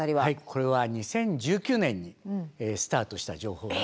これは２０１９年にスタートした情報なんですね。